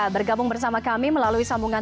bergabung bersama kami melalui sambungan